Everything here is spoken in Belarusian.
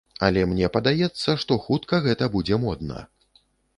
Але мне падаецца, што хутка гэта будзе модна.